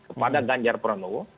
kepada ganjar pranowo